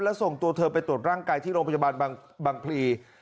แล้วส่งตัวเธอไปตรวจร่างกายที่โรงพยาบาลบางพลี